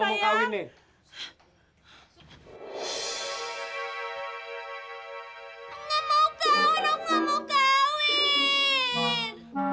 nggak mau kawin bangun bangun kawin